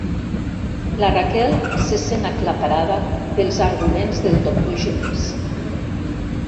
La Raquel se sent aclaparada pels arguments del doctor Genís.